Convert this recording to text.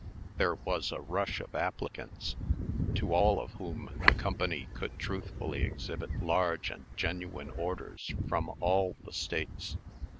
There was a rush of applicants, to all of whom the Company could truthfully exhibit large and genuine orders from all the States.